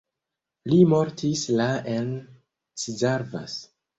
Li mortis la en Szarvas.